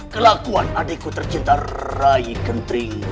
kelakuan adikku tercinta rai kentri